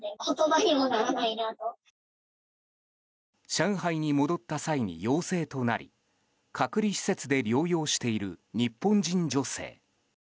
上海に戻った際に陽性となり隔離施設で療養している日本人女性。